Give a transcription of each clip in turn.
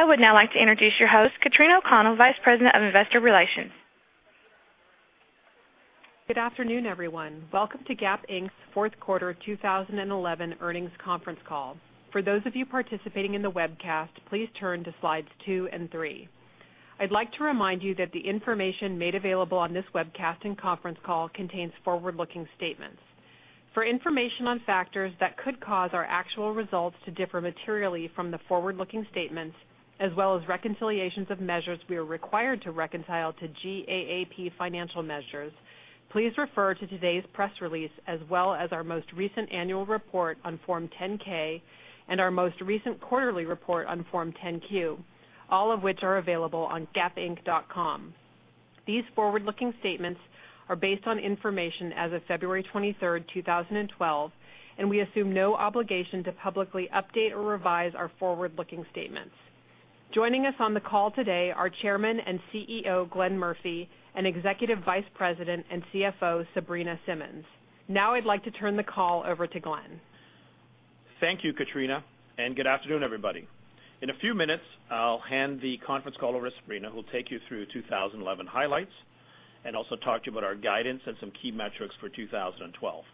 I would now like to introduce your host, Katrina O'Connell, Vice President of Investor Relations. Good afternoon, everyone. Welcome to Gap Inc.'s Fourth Quarter 2011 Earnings Conference Call. For those of you participating in the webcast, please turn to slides two and three. I'd like to remind you that the information made available on this webcast and conference call contains forward-looking statements. For information on factors that could cause our actual results to differ materially from the forward-looking statements, as well as reconciliations of measures we are required to reconcile to GAAP financial measures, please refer to today's press release, as well as our most recent annual report on Form 10-K and our most recent quarterly report on Form 10-Q, all of which are available on gapinc.com. These forward-looking statements are based on information as of February 23, 2012, and we assume no obligation to publicly update or revise our forward-looking statements. Joining us on the call today are Chairman and CEO Glenn Murphy and Executive Vice President and CFO Sabrina Simmons. Now I'd like to turn the call over to Glenn. Thank you, Katrina, and good afternoon, everybody. In a few minutes, I'll hand the conference call over to Sabrina, who will take you through 2011 highlights and also talk to you about our guidance and some key metrics for 2012.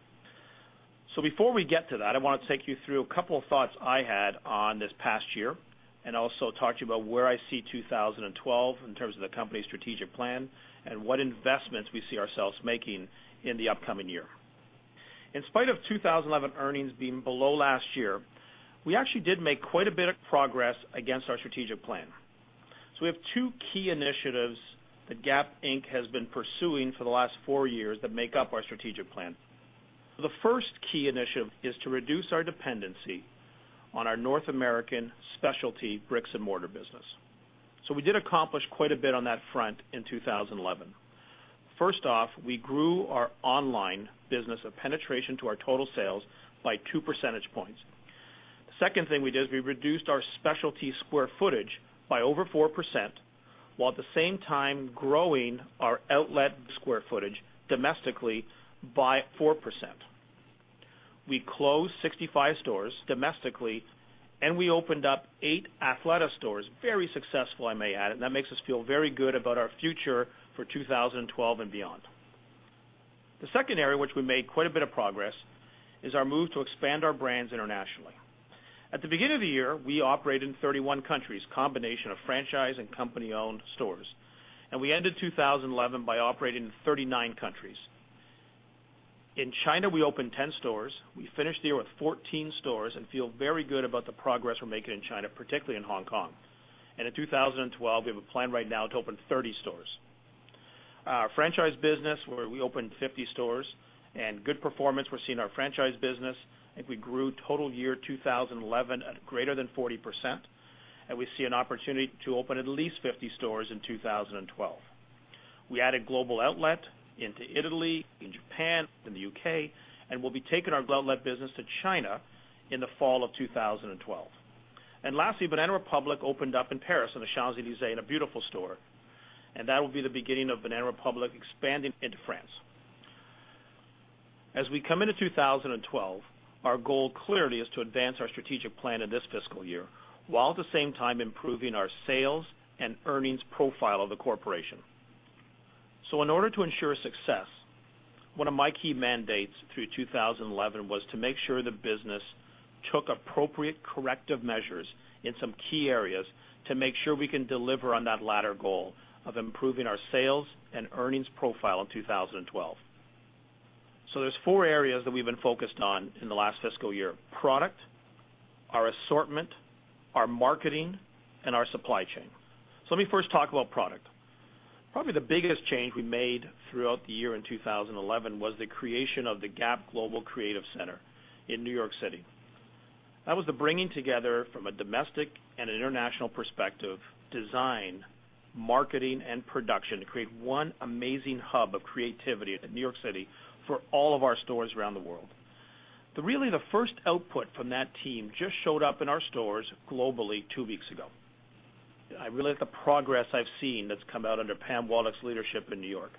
Before we get to that, I want to take you through a couple of thoughts I had on this past year and also talk to you about where I see 2012 in terms of the company's strategic plan and what investments we see ourselves making in the upcoming year. In spite of 2011 earnings being below last year, we actually did make quite a bit of progress against our strategic plan. We have two key initiatives that Gap Inc. has been pursuing for the last four years that make up our strategic plan. The first key initiative is to reduce our dependency on our North American specialty bricks-and-mortar business. We did accomplish quite a bit on that front in 2011. First off, we grew our online business of penetration to our total sales by two percentage points. The second thing we did is we reduced our specialty square footage by over 4%, while at the same time growing our outlet square footage domestically by 4%. We closed 65 stores domestically, and we opened up eight Athleta stores, very successful, I may add, and that makes us feel very good about our future for 2012 and beyond. The second area, which we made quite a bit of progress, is our move to expand our brands internationally. At the beginning of the year, we operated in 31 countries, a combination of franchise and company-owned stores. We ended 2011 by operating in 39 countries. In China, we opened 10 stores. We finished the year with 14 stores and feel very good about the progress we're making in China, particularly in Hong Kong. In 2012, we have a plan right now to open 30 stores. Our franchise business, where we opened 50 stores, and good performance we're seeing in our franchise business. I think we grew total year 2011 at greater than 40%, and we see an opportunity to open at least 50 stores in 2012. We added global outlet into Italy, in Japan, in the U.K., and we'll be taking our outlet business to China in the fall of 2012. Lastly, Banana Republic opened up in Paris on the Champs-Élysées in a beautiful store, and that will be the beginning of Banana Republic expanding into France. As we come into 2012, our goal clearly is to advance our strategic plan in this fiscal year, while at the same time improving our sales and earnings profile of the corporation. In order to ensure success, one of my key mandates through 2011 was to make sure the business took appropriate corrective measures in some key areas to make sure we can deliver on that latter goal of improving our sales and earnings profile in 2012. There are four areas that we've been focused on in the last fiscal year: product, our assortment, our marketing, and our supply chain. Let me first talk about product. Probably the biggest change we made throughout the year in 2011 was the creation of the Gap Global Creative Center in New York City. That was the bringing together from a domestic and international perspective design, marketing, and production to create one amazing hub of creativity in New York City for all of our stores around the world. Really, the first output from that team just showed up in our stores globally two weeks ago. I really like the progress I've seen that's come out under Pam Waldek's leadership in New York.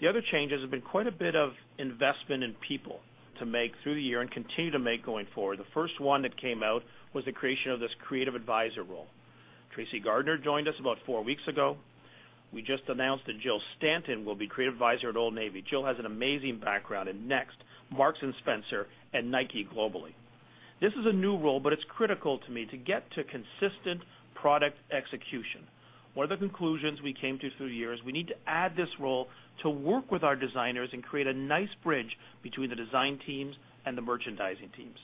The other changes have been quite a bit of investment in people to make through the year and continue to make going forward. The first one that came out was the creation of this creative advisor role. Tracy Gardner joined us about four weeks ago. We just announced that Jill Stanton will be creative advisor at Old Navy. Jill has an amazing background in Next, Marks & Spencer, and Nike globally. This is a new role, but it's critical to me to get to consistent product execution. One of the conclusions we came to through the year is we need to add this role to work with our designers and create a nice bridge between the design teams and the merchandising teams.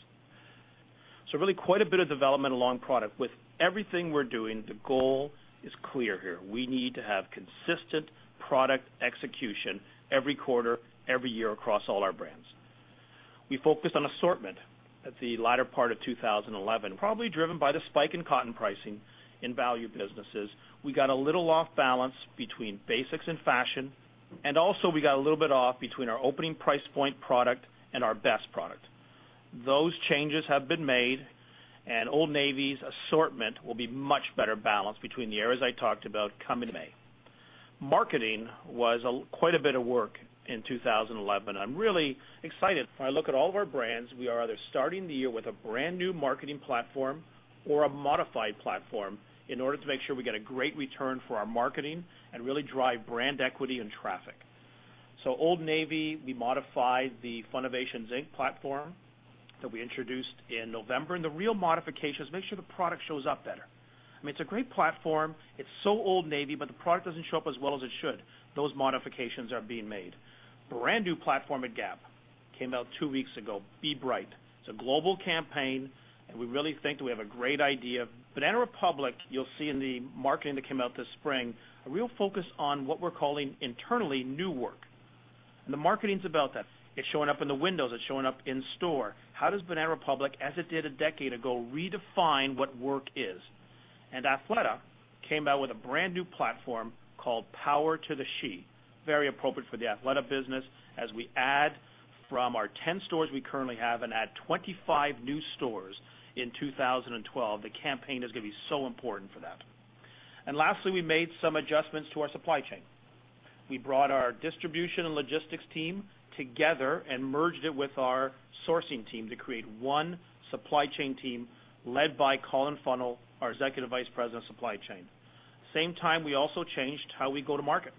Really quite a bit of development along product. With everything we're doing, the goal is clear here. We need to have consistent product execution every quarter, every year across all our brands. We focused on assortment at the latter part of 2011, probably driven by the spike in cotton pricing in value businesses. We got a little off balance between basics and fashion, and also we got a little bit off between our opening price point product and our best product. Those changes have been made, and Old Navy's assortment will be much better balanced between the areas I talked about coming in May. Marketing was quite a bit of work in 2011. I'm really excited. If I look at all of our brands, we are either starting the year with a brand new marketing platform or a modified platform in order to make sure we get a great return for our marketing and really drive brand equity and traffic. Old Navy, we modified the Funovations Inc. platform that we introduced in November, and the real modification is to make sure the product shows up better. I mean, it's a great platform. It's so Old Navy, but the product doesn't show up as well as it should. Those modifications are being made. Brand new platform at Gap came out two weeks ago, Be Bright. It's a global campaign, and we really think that we have a great idea. Banana Republic, you'll see in the marketing that came out this spring, a real focus on what we're calling internally new work. The marketing's about that. It's showing up in the windows. It's showing up in store. How does Banana Republic, as it did a decade ago, redefine what work is? Athleta came out with a brand new platform called Power to the She, very appropriate for the Athleta business. As we add from our 10 stores we currently have and add 25 new stores in 2012, the campaign is going to be so important for that. Lastly, we made some adjustments to our supply chain. We brought our distribution and logistics team together and merged it with our sourcing team to create one supply chain team led by Colin Funnell, our Executive Vice President of Supply Chain. At the same time, we also changed how we go to market.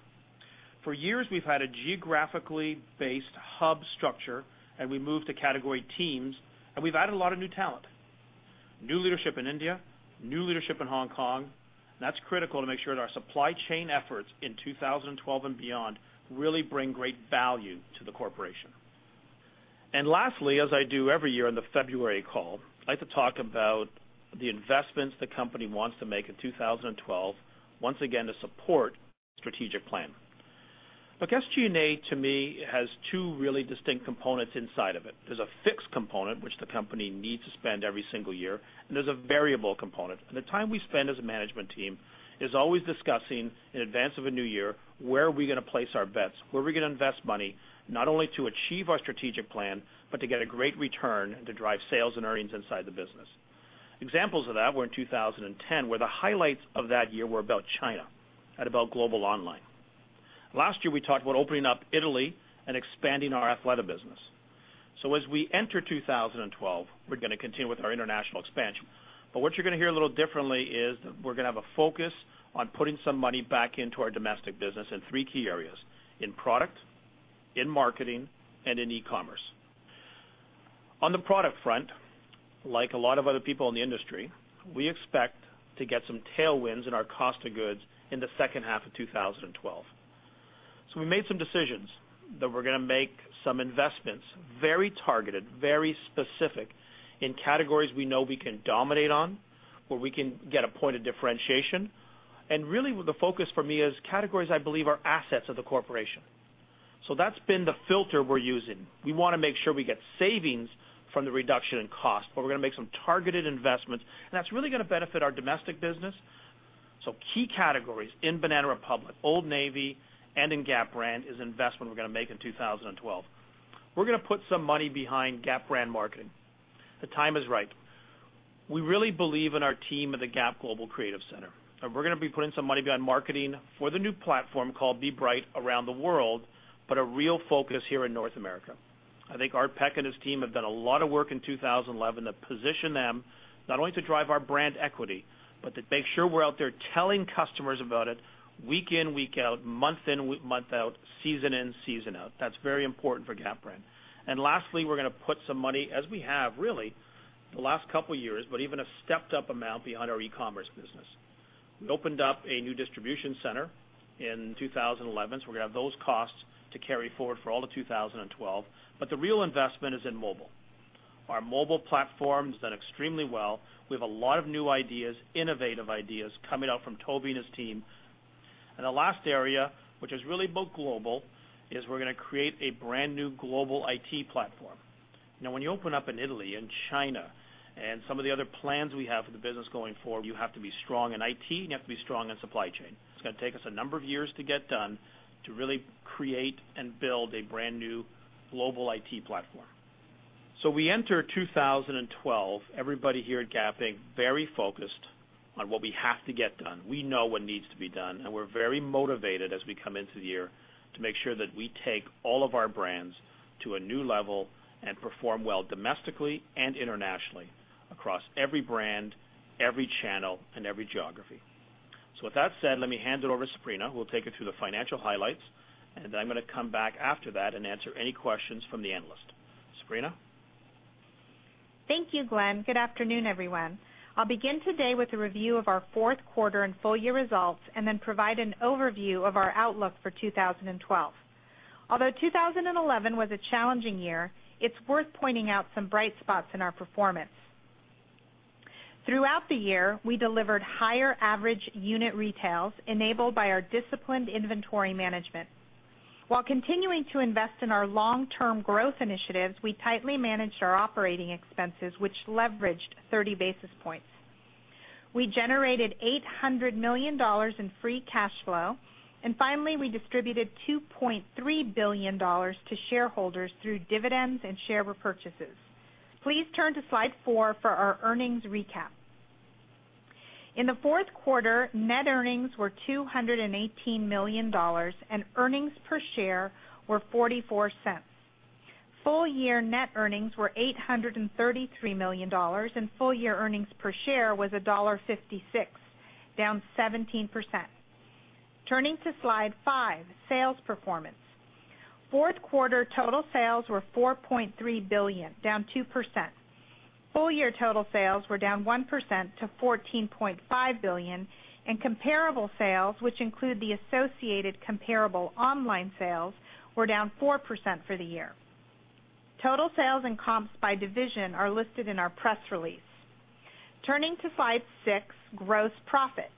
For years, we've had a geographically based hub structure, and we moved to category teams, and we've added a lot of new talent, new leadership in India, new leadership in Hong Kong. That's critical to make sure that our supply chain efforts in 2012 and beyond really bring great value to the corporation. Lastly, as I do every year on the February call, I'd like to talk about the investments the company wants to make in 2012, once again to support the strategic plan. Now, SG&A, to me, has two really distinct components inside of it. There's a fixed component, which the company needs to spend every single year, and there's a variable component. The time we spend as a management team is always discussing in advance of a new year, where are we going to place our bets? Where are we going to invest money, not only to achieve our strategic plan, but to get a great return and to drive sales and earnings inside the business? Examples of that were in 2010, where the highlights of that year were about China and about global online. Last year, we talked about opening up Italy and expanding our Athleta business. As we enter 2012, we're going to continue with our international expansion. What you're going to hear a little differently is that we're going to have a focus on putting some money back into our domestic business in three key areas: in product, in marketing, and in e-commerce. On the product front, like a lot of other people in the industry, we expect to get some tailwinds in our cost of goods in the second half of 2012. We made some decisions that we're going to make some investments very targeted, very specific in categories we know we can dominate on, where we can get a point of differentiation. The focus for me is categories I believe are assets of the corporation. That's been the filter we're using. We want to make sure we get savings from the reduction in cost, or we're going to make some targeted investments, and that's really going to benefit our domestic business. Key categories in Banana Republic, Old Navy, and in Gap Brand is an investment we're going to make in 2012. We're going to put some money behind Gap Brand marketing. The time is right. We really believe in our team at the Gap Global Creative Center, and we're going to be putting some money behind marketing for the new platform called Be Bright around the world, with a real focus here in North America. I think Art Peck and his team have done a lot of work in 2011 that positioned them not only to drive our brand equity, but to make sure we're out there telling customers about it week in, week out, month in, month out, season in, season out. That's very important for Gap Brand. Lastly, we're going to put some money, as we have really the last couple of years, but even a stepped-up amount behind our e-commerce business. We opened up a new distribution center in 2011, so we're going to have those costs to carry forward for all of 2012. The real investment is in mobile. Our mobile platform has done extremely well. We have a lot of new ideas, innovative ideas coming out from Toby and his team. The last area, which is really about global, is we're going to create a brand new global IT platform. When you open up in Italy and China and some of the other plans we have for the business going forward, you have to be strong in IT, and you have to be strong in supply chain. It's going to take us a number of years to get done to really create and build a brand new global IT platform. We enter 2012, everybody here at Gap Inc. very focused on what we have to get done. We know what needs to be done, and we're very motivated as we come into the year to make sure that we take all of our brands to a new level and perform well domestically and internationally across every brand, every channel, and every geography. With that said, let me hand it over to Sabrina. We'll take you through the financial highlights, and then I'm going to come back after that and answer any questions from the analyst. Sabrina? Thank you, Glenn. Good afternoon, everyone. I'll begin today with a review of our fourth quarter and full-year results and then provide an overview of our outlook for 2012. Although 2011 was a challenging year, it's worth pointing out some bright spots in our performance. Throughout the year, we delivered higher average unit retails enabled by our disciplined inventory management. While continuing to invest in our long-term growth initiatives, we tightly managed our operating expenses, which leveraged 30 basis points. We generated $800 million in free cash flow, and finally, we distributed $2.3 billion to shareholders through dividends and share repurchases. Please turn to slide four for our earnings recap. In the fourth quarter, net earnings were $218 million, and earnings per share were $0.44. Full-year net earnings were $833 million, and full-year earnings per share was $1.56, down 17%. Turning to slide five, sales performance. Fourth quarter total sales were $4.3 billion, down 2%. Full-year total sales were down 1% to $14.5 billion, and comparable sales, which include the associated comparable online sales, were down 4% for the year. Total sales and comps by division are listed in our press release. Turning to slide six, gross profit.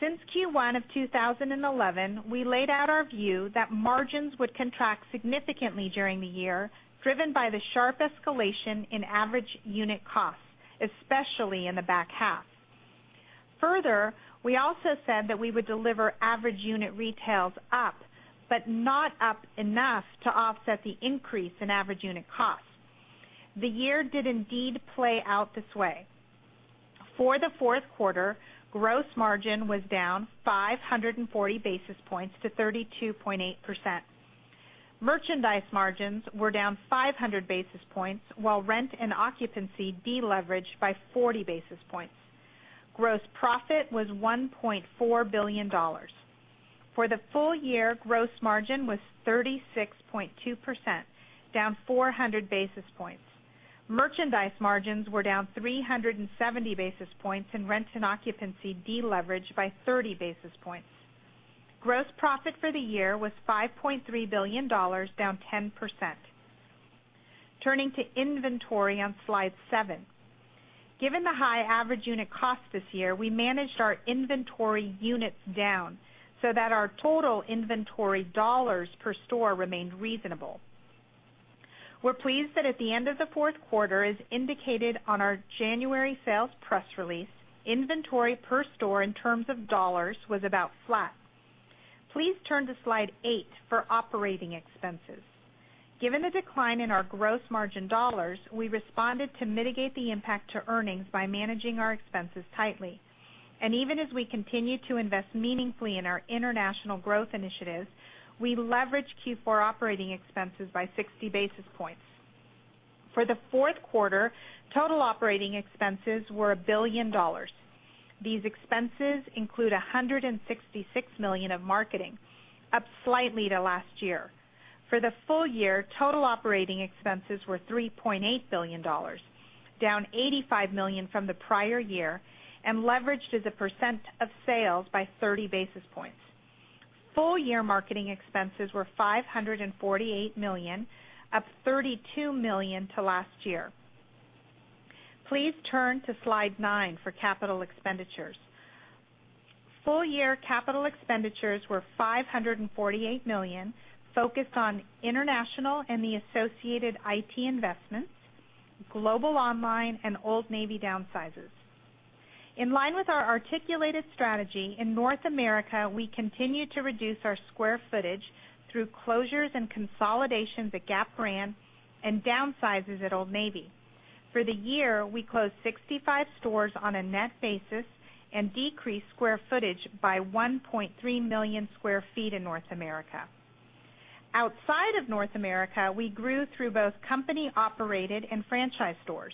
Since Q1 of 2011, we laid out our view that margins would contract significantly during the year, driven by the sharp escalation in average unit costs, especially in the back half. Further, we also said that we would deliver average unit retails up, but not up enough to offset the increase in average unit costs. The year did indeed play out this way. For the fourth quarter, gross margin was down 540 basis points to 32.8%. Merchandise margins were down 500 basis points, while rent and occupancy deleveraged by 40 basis points. Gross profit was $1.4 billion. For the full year, gross margin was 36.2%, down 400 basis points. Merchandise margins were down 370 basis points, and rent and occupancy deleveraged by 30 basis points. Gross profit for the year was $5.3 billion, down 10%. Turning to inventory on slide seven. Given the high average unit costs this year, we managed our inventory units down so that our total inventory dollars per store remained reasonable. We're pleased that at the end of the fourth quarter, as indicated on our January sales press release, inventory per store in terms of dollars was about flat. Please turn to slide eight for operating expenses. Given the decline in our gross margin dollars, we responded to mitigate the impact to earnings by managing our expenses tightly. Even as we continue to invest meaningfully in our international growth initiatives, we leveraged Q4 operating expenses by 60 basis points. For the fourth quarter, total operating expenses were $1 billion. These expenses include $166 million of marketing, up slightly to last year. For the full year, total operating expenses were $3.8 billion, down $85 million from the prior year, and leveraged as a percent of sales by 30 basis points. Full-year marketing expenses were $548 million, up $32 million to last year. Please turn to slide nine for capital expenditures. Full-year capital expenditures were $548 million, focused on international and the associated IT investments, global online, and Old Navy downsizes. In line with our articulated strategy, in North America, we continue to reduce our square footage through closures and consolidations at Gap Brand and downsizes at Old Navy. For the year, we closed 65 stores on a net basis and decreased square footage by 1.3 million square feet in North America. Outside of North America, we grew through both company-operated and franchise stores.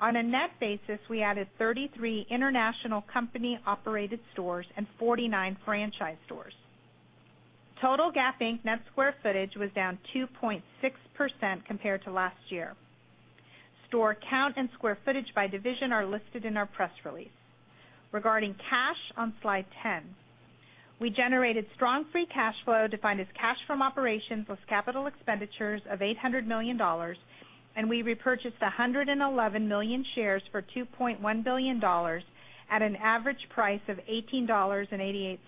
On a net basis, we added 33 international company-operated stores and 49 franchise stores. Total Gap Inc. net square footage was down 2.6% compared to last year. Store count and square footage by division are listed in our press release. Regarding cash on slide 10, we generated strong free cash flow defined as cash from operations plus capital expenditures of $800 million, and we repurchased 111 million shares for $2.1 billion at an average price of $18.88.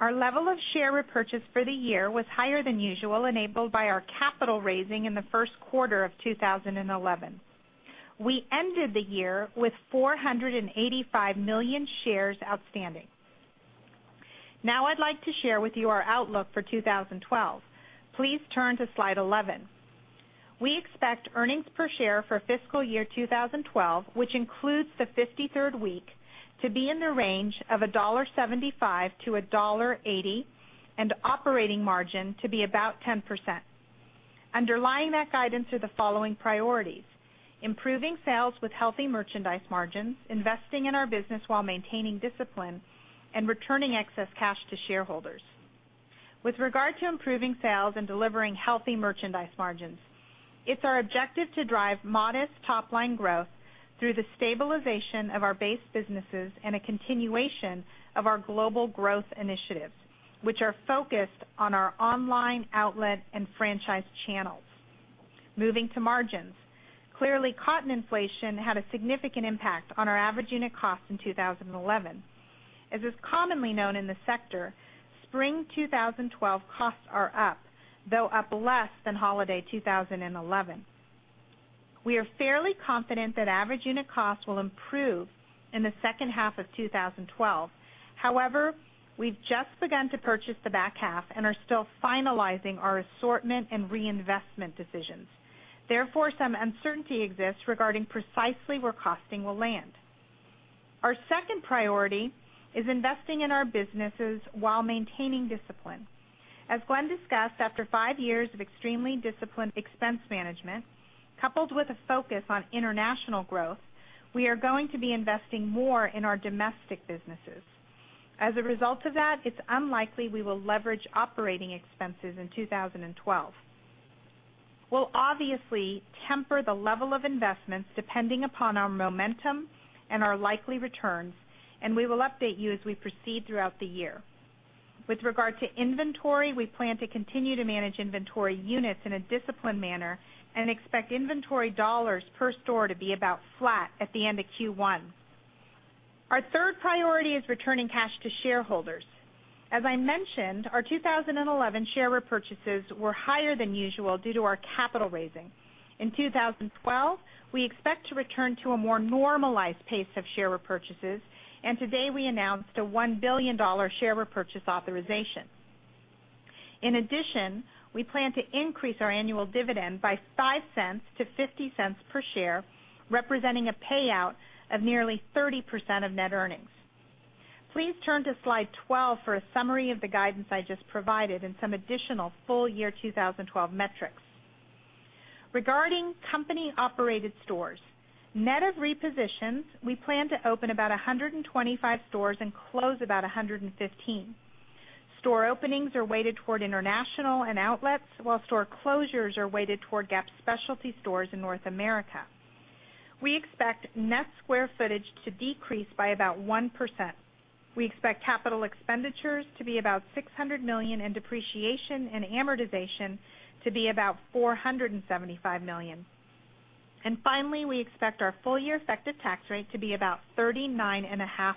Our level of share repurchase for the year was higher than usual, enabled by our capital raising in the first quarter of 2011. We ended the year with 485 million shares outstanding. Now I'd like to share with you our outlook for 2012. Please turn to slide 11. We expect earnings per share for fiscal year 2012, which includes the 53rd week, to be in the range of $1.75-$1.80 and operating margin to be about 10%. Underlying that guidance are the following priorities: improving sales with healthy merchandise margins, investing in our business while maintaining discipline, and returning excess cash to shareholders. With regard to improving sales and delivering healthy merchandise margins, it's our objective to drive modest top-line growth through the stabilization of our base businesses and a continuation of our global growth initiatives, which are focused on our online, outlet, and franchise channels. Moving to margins, clearly cotton inflation had a significant impact on our average unit costs in 2011. As is commonly known in the sector, spring 2012 costs are up, though up less than holiday 2011. We are fairly confident that average unit costs will improve in the second half of 2012. However, we've just begun to purchase the back half and are still finalizing our assortment and reinvestment decisions. Therefore, some uncertainty exists regarding precisely where costing will land. Our second priority is investing in our businesses while maintaining discipline. As Glenn discussed, after five years of extremely disciplined expense management, coupled with a focus on international growth, we are going to be investing more in our domestic businesses. As a result of that, it's unlikely we will leverage operating expenses in 2012. We'll obviously temper the level of investments depending upon our momentum and our likely returns, and we will update you as we proceed throughout the year. With regard to inventory, we plan to continue to manage inventory units in a disciplined manner and expect inventory dollars per store to be about flat at the end of Q1. Our third priority is returning cash to shareholders. As I mentioned, our 2011 share repurchases were higher than usual due to our capital raising. In 2012, we expect to return to a more normalized pace of share repurchases, and today we announced a $1 billion share repurchase authorization. In addition, we plan to increase our annual dividend by $0.05 to $0.50 per share, representing a payout of nearly 30% of net earnings. Please turn to slide 12 for a summary of the guidance I just provided and some additional full-year 2012 metrics. Regarding company-operated stores, net of repositions, we plan to open about 125 stores and close about 115. Store openings are weighted toward international and outlets, while store closures are weighted toward Gap specialty stores in North America. We expect net square footage to decrease by about 1%. We expect capital expenditures to be about $600 million and depreciation and amortization to be about $475 million. Finally, we expect our full-year effective tax rate to be about 39.5%.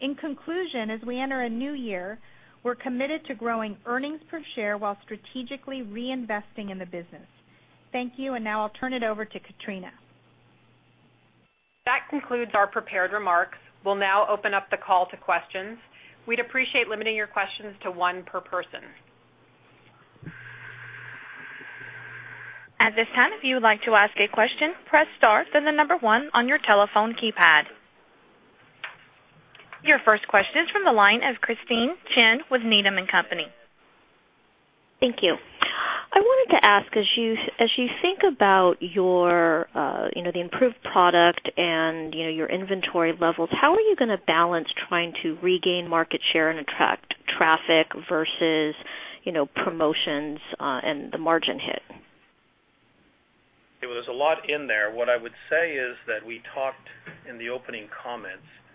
In conclusion, as we enter a new year, we're committed to growing earnings per share while strategically reinvesting in the business. Thank you, and now I'll turn it over to Katrina. That concludes our prepared remarks. We'll now open up the call to questions. We'd appreciate limiting your questions to one per person. At this time, if you would like to ask a question, press star then the number one on your telephone keypad. Your first question is from the line of Christine Chen with Needham & Company. Thank you. I wanted to ask, as you think about your improved product and your inventory levels, how are you going to balance trying to regain market share and attract traffic versus promotions and the margin hit? There is a lot in there. What I would say is that we talked in the opening comments about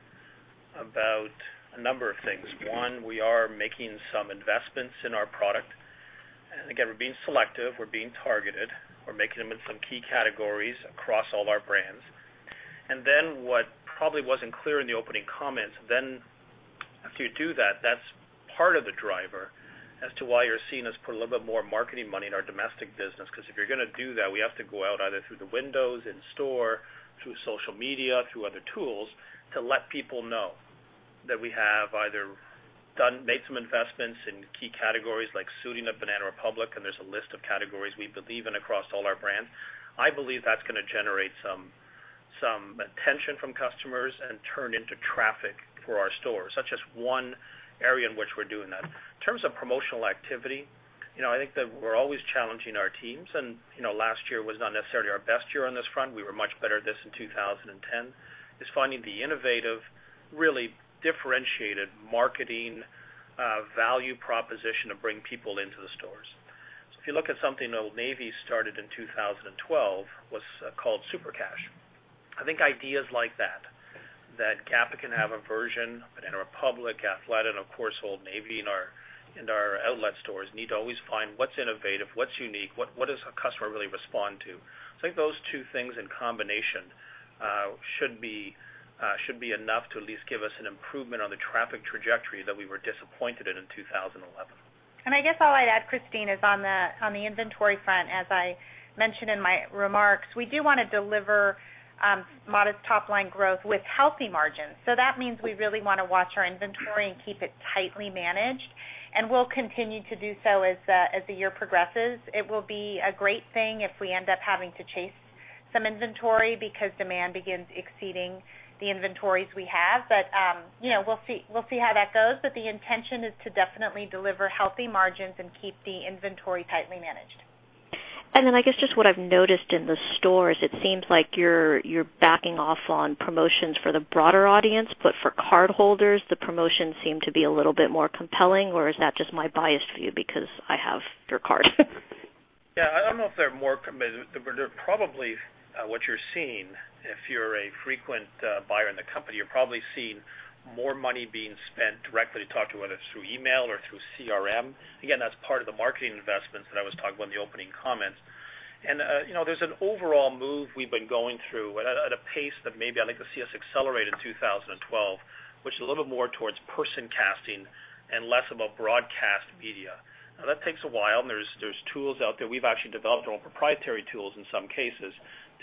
a number of things. One, we are making some investments in our product. Again, we're being selective. We're being targeted. We're making them in some key categories across all of our brands. What probably wasn't clear in the opening comments is that after you do that, that's part of the driver as to why you're seeing us put a little bit more marketing money in our domestic business. If you're going to do that, we have to go out either through the windows, in store, through social media, through other tools to let people know that we have either made some investments in key categories like suiting up Banana Republic, and there's a list of categories we believe in across all our brands. I believe that's going to generate some attention from customers and turn into traffic for our stores, such as one area in which we're doing that. In terms of promotional activity, I think that we're always challenging our teams, and last year was not necessarily our best year on this front. We were much better at this in 2010. It's finding the innovative, really differentiated marketing value proposition to bring people into the stores. If you look at something that Old Navy started in 2012, it was called Super Cash. I think ideas like that, that Gap can have a version, Banana Republic, Athleta, and of course, Old Navy in our outlet stores need to always find what's innovative, what's unique, what does a customer really respond to. I think those two things in combination should be enough to at least give us an improvement on the traffic trajectory that we were disappointed in in 2011. I guess all I'd add, Christine, is on the inventory front, as I mentioned in my remarks, we do want to deliver modest top-line growth with healthy margins. That means we really want to watch our inventory and keep it tightly managed, and we'll continue to do so as the year progresses. It will be a great thing if we end up having to chase some inventory because demand begins exceeding the inventories we have. We'll see how that goes. The intention is to definitely deliver healthy margins and keep the inventory tightly managed. What I've noticed in the stores, it seems like you're backing off on promotions for the broader audience, but for cardholders, the promotions seem to be a little bit more compelling, or is that just my bias view because I have your card? Yeah, I don't know if they're more committed, but they're probably what you're seeing if you're a frequent buyer in the company. You're probably seeing more money being spent directly to talk to whether it's through email or through CRM. That's part of the marketing investments that I was talking about in the opening comments. There's an overall move we've been going through at a pace that maybe I'd like to see us accelerate in 2012, which is a little bit more towards person casting and less of a broadcast media. That takes a while, and there are tools out there. We've actually developed our own proprietary tools in some cases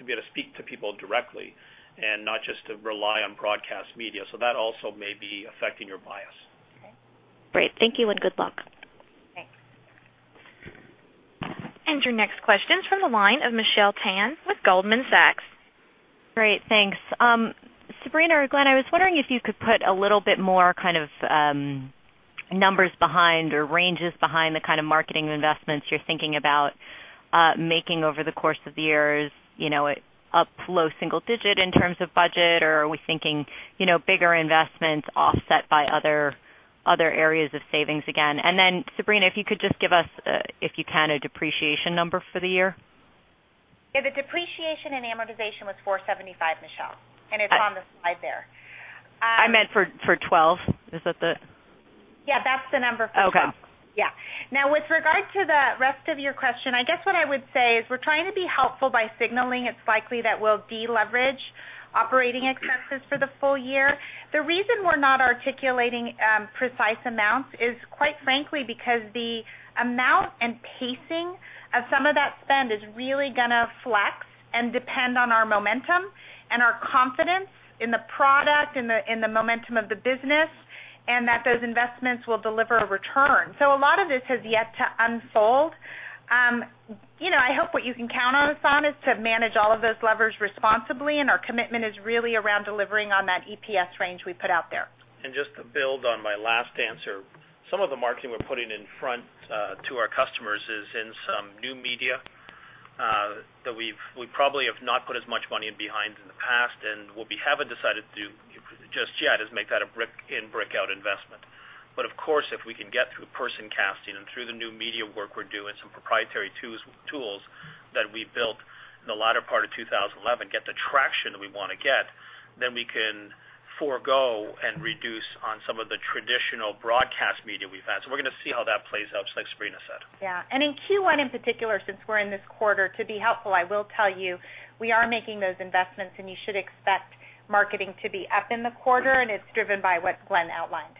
to be able to speak to people directly and not just to rely on broadcast media. That also may be affecting your bias. Great. Thank you and good luck. Your next question is from the line of Michelle Tan with Goldman Sachs. Great, thanks. Sabrina or Glenn, I was wondering if you could put a little bit more kind of numbers behind or ranges behind the kind of marketing investments you're thinking about making over the course of years, you know, up low single digit in terms of budget, or are we thinking bigger investments offset by other areas of savings again? Sabrina, if you could just give us, if you can, a depreciation number for the year? Yeah, the depreciation and amortization was $475 million, Michelle, and it's on the slide there. I meant for 2012. Is that the? Yeah, that's the number for 2012. Now, with regard to the rest of your question, I guess what I would say is we're trying to be helpful by signaling it's likely that we'll deleverage operating expenses for the full year. The reason we're not articulating precise amounts is, quite frankly, because the amount and pacing of some of that spend is really going to flex and depend on our momentum and our confidence in the product and the momentum of the business and that those investments will deliver a return. A lot of this has yet to unfold. I hope what you can count on us on is to manage all of those levers responsibly, and our commitment is really around delivering on that EPS range we put out there. To build on my last answer, some of the marketing we're putting in front of our customers is in some new media that we probably have not put as much money behind in the past, and what we haven't decided to do just yet is make that a brick-in-brick-out investment. Of course, if we can get through person casting and through the new media work we're doing, some proprietary tools that we built in the latter part of 2011, get the traction that we want to get, we can forego and reduce on some of the traditional broadcast media we've had. We are going to see how that plays out, just like Sabrina said. Yeah, in Q1 in particular, since we're in this quarter, to be helpful, I will tell you we are making those investments, and you should expect marketing to be up in the quarter, and it's driven by what Glenn outlined.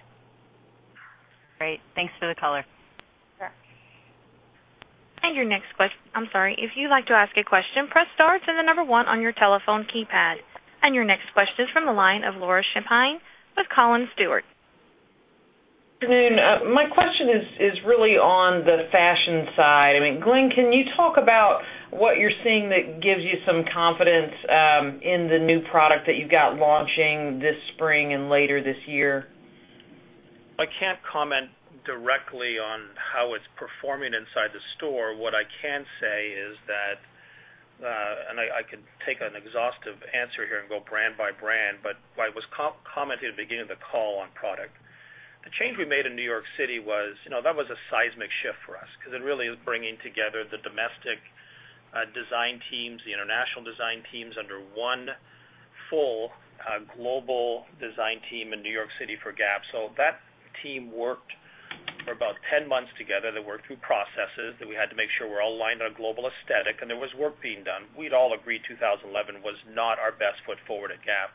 Great. Thanks for the color. Sure. If you'd like to ask a question, press star then the number one on your telephone keypad. Your next question is from the line of Laura Champine with Cowen & Company. Good afternoon. My question is really on the fashion side. Glenn, can you talk about what you're seeing that gives you some confidence in the new product that you've got launching this spring and later this year? I can't comment directly on how it's performing inside the store. What I can say is that, and I can take an exhaustive answer here and go brand by brand, what I was commenting at the beginning of the call on product, the change we made in New York City was, you know, that was a seismic shift for us because it really is bringing together the domestic design teams, the international design teams under one full global design team in New York City for Gap. That team worked for about 10 months together. They worked through processes that we had to make sure we're all aligned on a global aesthetic, and there was work being done. We'd all agree 2011 was not our best foot forward at Gap.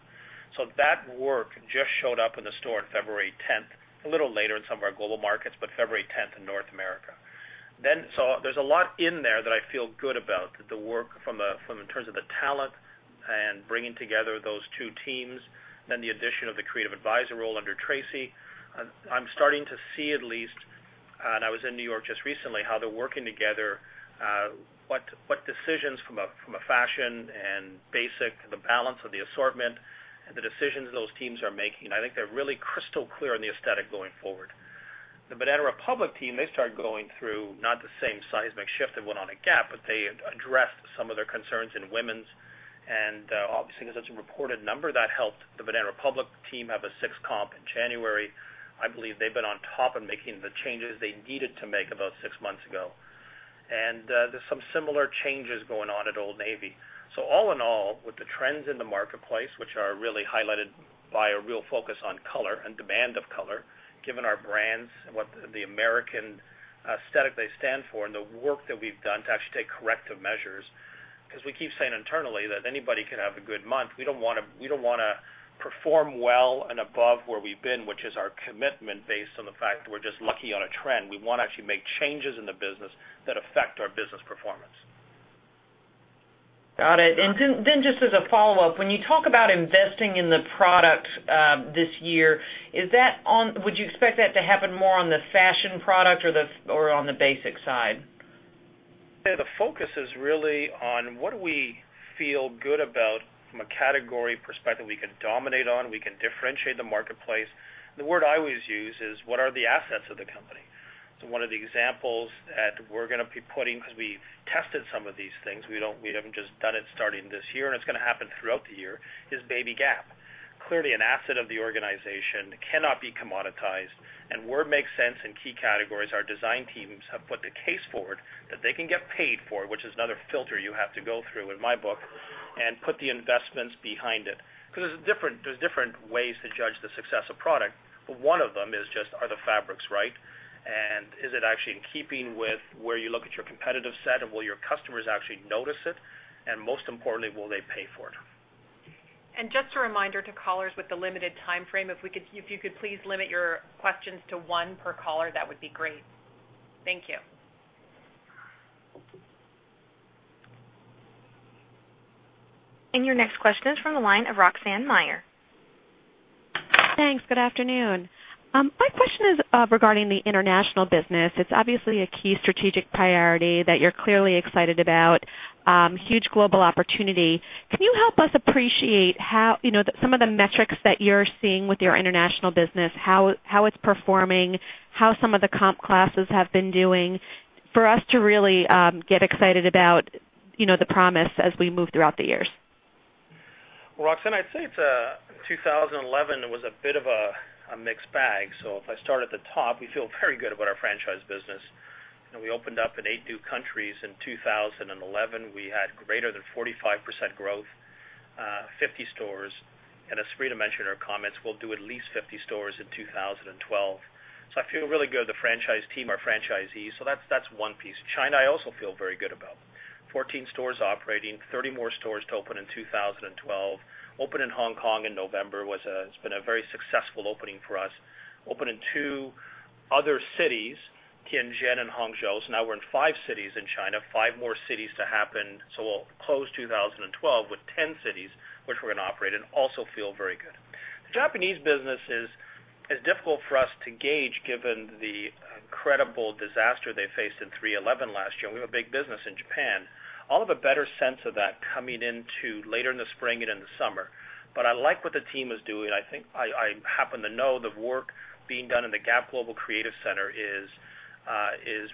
That work just showed up in the store on February 10, a little later in some of our global markets, but February 10 in North America. There's a lot in there that I feel good about, that the work from in terms of the talent and bringing together those two teams, then the addition of the creative advisor role under Tracy. I'm starting to see at least, and I was in New York just recently, how they're working together, what decisions from a fashion and basic, the balance of the assortment, and the decisions those teams are making. I think they're really crystal clear on the aesthetic going forward. The Banana Republic team, they started going through not the same seismic shift that went on at Gap, but they addressed some of their concerns in women's, and obviously because it's a reported number, that helped the Banana Republic team have a sixth comp in January. I believe they've been on top and making the changes they needed to make about six months ago. There's some similar changes going on at Old Navy. All in all, with the trends in the marketplace, which are really highlighted by a real focus on color and demand of color, given our brands and what the American aesthetic they stand for and the work that we've done to actually take corrective measures, because we keep saying internally that anybody can have a good month. We don't want to perform well and above where we've been, which is our commitment based on the fact that we're just lucky on a trend. We want to actually make changes in the business that affect our business performance. Got it. Just as a follow-up, when you talk about investing in the product this year, would you expect that to happen more on the fashion product or on the basic side? The focus is really on what do we feel good about from a category perspective we can dominate on, we can differentiate in the marketplace. The word I always use is what are the assets of the company? One of the examples that we're going to be putting, because we tested some of these things, we haven't just done it starting this year, and it's going to happen throughout the year, is BabyGap. Clearly, an asset of the organization cannot be commoditized, and word makes sense in key categories. Our design teams have put the case forward that they can get paid for it, which is another filter you have to go through in my book, and put the investments behind it. There are different ways to judge the success of product, but one of them is just are the fabrics right, and is it actually in keeping with where you look at your competitive set, and will your customers actually notice it, and most importantly, will they pay for it? Just a reminder to callers with the limited timeframe, if you could please limit your questions to one per caller, that would be great. Thank you. Your next question is from the line of Roxanne Meyer. Thanks. Good afternoon. My question is regarding the international business. It's obviously a key strategic priority that you're clearly excited about, huge global opportunity. Can you help us appreciate how some of the metrics that you're seeing with your international business, how it's performing, how some of the comp classes have been doing for us to really get excited about the promise as we move throughout the years? Roxanne, I'd say 2011 was a bit of a mixed bag. If I start at the top, we feel very good about our franchise business. We opened up in eight new countries in 2011. We had greater than 45% growth, 50 stores, and as Sabrina mentioned in her comments, we'll do at least 50 stores in 2012. I feel really good about the franchise team, our franchisees. That's one piece. China, I also feel very good about. Fourteen stores operating, 30 more stores to open in 2012. Open in Hong Kong in November has been a very successful opening for us. Open in two other cities, Tianjin and Hangzhou. Now we're in five cities in China, five more cities to happen. We'll close 2012 with 10 cities, which we're going to operate in, also feel very good. The Japanese business is difficult for us to gauge given the incredible disaster they faced in 3/11 last year. We have a big business in Japan. I'll have a better sense of that coming in later in the spring and in the summer. I like what the team is doing. I happen to know the work being done in the Gap Global Creative Center is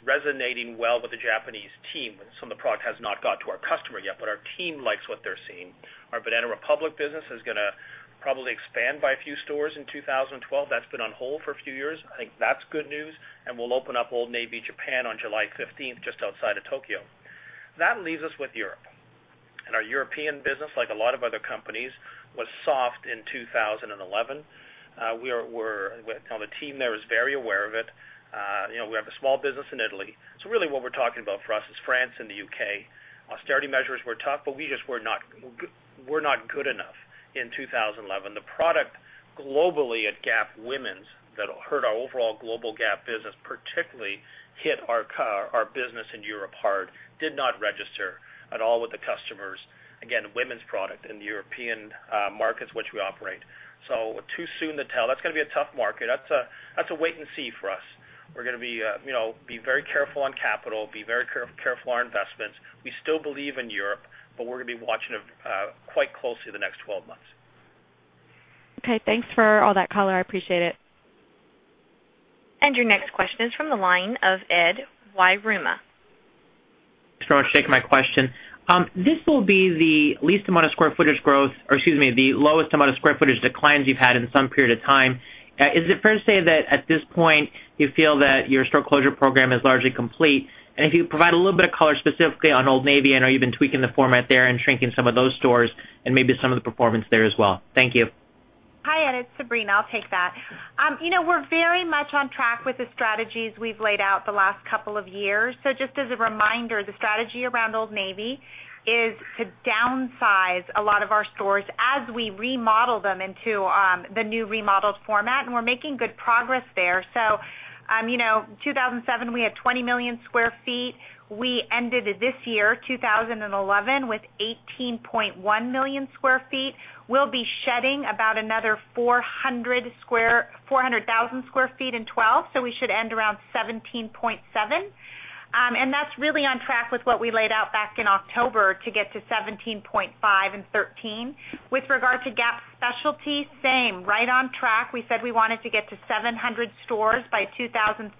resonating well with the Japanese team. Some of the product has not got to our customer yet, but our team likes what they're seeing. Our Banana Republic business is going to probably expand by a few stores in 2012. That's been on hold for a few years. I think that's good news, and we'll open up Old Navy Japan on July 15 just outside of Tokyo. That leaves us with Europe. Our European business, like a lot of other companies, was soft in 2011. The team there is very aware of it. We have a small business in Italy. Really what we're talking about for us is France and the UK. Austerity measures were tough, but we just were not good enough in 2011. The product globally at Gap Women's that hurt our overall global Gap business, particularly hit our business in Europe hard, did not register at all with the customers. Again, women's product in the European markets which we operate. Too soon to tell. That's going to be a tough market. That's a wait and see for us. We're going to be very careful on capital, be very careful on our investments. We still believe in Europe, but we're going to be watching quite closely the next 12 months. Okay, thanks for all that, Colin. I appreciate it. Your next question is from the line of Ed Yruma. Thanks for taking my question. This will be the least amount of square footage growth, or excuse me, the lowest amount of square footage declines you've had in some period of time. Is it fair to say that at this point you feel that your store closure program is largely complete? If you could provide a little bit of color specifically on Old Navy, I know you've been tweaking the format there and shrinking some of those stores and maybe some of the performance there as well. Thank you. Hi, Ed. It's Sabrina. I'll take that. You know, we're very much on track with the strategies we've laid out the last couple of years. Just as a reminder, the strategy around Old Navy is to downsize a lot of our stores as we remodel them into the new remodeled format, and we're making good progress there. In 2007, we had 20 million square feet. We ended this year, 2011, with 18.1 million square feet. We'll be shedding about another 400,000 square feet in 2012, so we should end around 17.7. That's really on track with what we laid out back in October to get to 17.5 in 2013. With regard to Gap specialty, same, right on track. We said we wanted to get to 700 stores by 2013.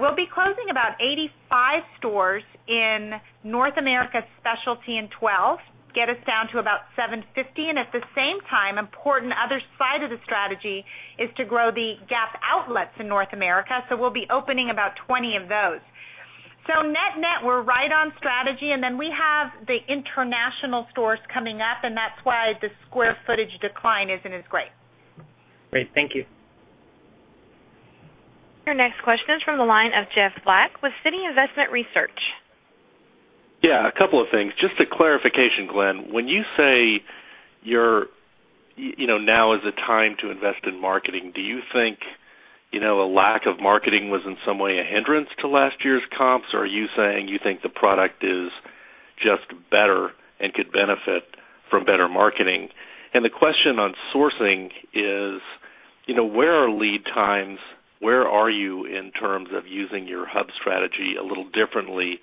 We'll be closing about 85 stores in North America specialty in 2012, get us down to about 750. At the same time, an important other side of the strategy is to grow the Gap outlets in North America, so we'll be opening about 20 of those. Net-net, we're right on strategy, and we have the international stores coming up, and that's why the square footage decline isn't as great. Great. Thank you. Your next question is from the line of Jeff Black with Citi Investment Research. Yeah, a couple of things. Just a clarification, Glenn, when you say now is the time to invest in marketing, do you think a lack of marketing was in some way a hindrance to last year's comps, or are you saying you think the product is just better and could benefit from better marketing? The question on sourcing is, you know, where are lead times? Where are you in terms of using your hub strategy a little differently?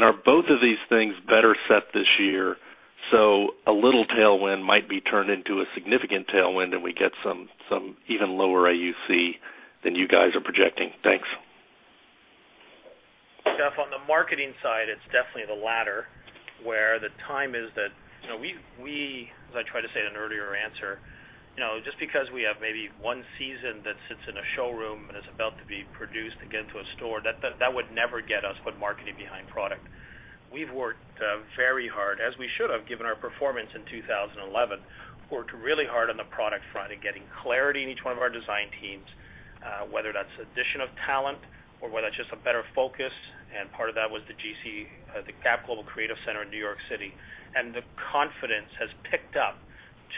Are both of these things better set this year so a little tailwind might be turned into a significant tailwind and we get some even lower average unit costs than you guys are projecting? Thanks. Jeff on the marketing side, it's definitely the latter where the time is that, you know, as I tried to say in an earlier answer, just because we have maybe one season that sits in a showroom and is about to be produced again to a store, that would never get us with marketing behind product. We've worked very hard, as we should have given our performance in 2011, worked really hard on the product front and getting clarity in each one of our design teams, whether that's addition of talent or whether that's just a better focus. Part of that was the Gap Global Creative Center in New York City. The confidence has picked up